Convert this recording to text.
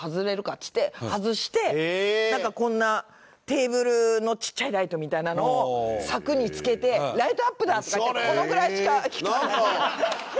っつって外してなんかこんなテーブルのちっちゃいライトみたいなのを柵に付けて「ライトアップだ！」とか言ってこのぐらいしか光らない。